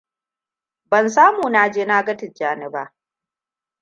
Ban samu na je na ga Tijjani ba.